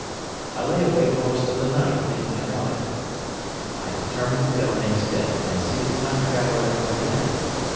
I lay awake most of the night thinking about it. I determined to go next day and see the Time Traveller again.